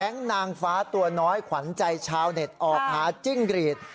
แห้งนางฟ้าตัวน้อยควันใจชาวนร์แลงซ์ออกมาจิ้งเกรียด